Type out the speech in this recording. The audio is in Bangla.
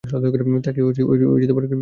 তাকে কীভাবে বের করবো বলো।